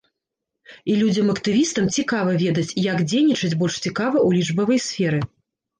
І людзям-актывістам цікава ведаць, як дзейнічаць больш цікава ў лічбавай сферы.